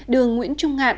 đường nguyễn trung hạn